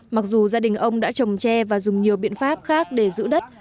mặc dù gia đình ông đã trồng tre và dùng nhiều biện pháp khác để giữ đất